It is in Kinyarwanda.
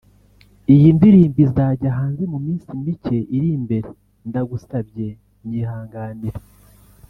Iyi ndirimbo izajya hanze mu minsi mike iri imbere […] Ndagusabye nyihanganire